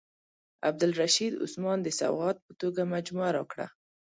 عبدالرشید عثمان د سوغات په توګه مجموعه راکړه.